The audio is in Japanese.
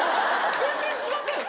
全然違ったよ。